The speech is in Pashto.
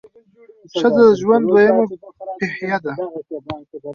ښځه د ژوند دویمه پهیه ده.